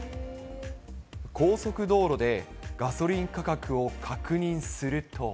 高速道路でガソリン価格を確認すると。